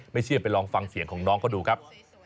ไม่เชื่อไปลองฟังเสียงของน้องเขาดูครับ